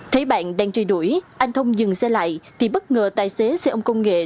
thấy bạn đang chơi đuổi anh thông dừng xe lại thì bất ngờ tài xế xe ôm công nghệ